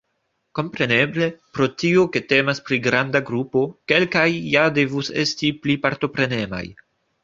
Kompreneble, pro tio, ke temas pri granda grupo, kelkaj ja devus esti pli partoprenemaj.